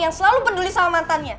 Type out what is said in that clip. yang selalu peduli sama mantannya